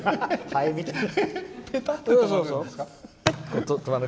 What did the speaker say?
ハエみたいな。